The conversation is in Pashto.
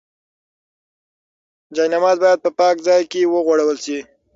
جاینماز باید په پاک ځای کې وغوړول شي.